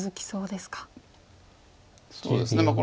そうですね。